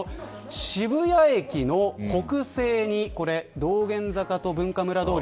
渋谷駅の北西に道玄坂と文化村通り。